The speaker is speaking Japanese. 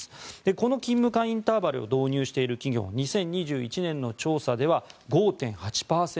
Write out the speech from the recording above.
この勤務間インターバルを導入している企業は２０２１年の調査では５．８％。